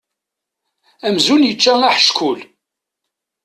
Amzun yečča aḥeckul.